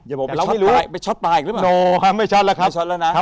อย่าบอกไปช็อตปลาอีกหรือเปล่า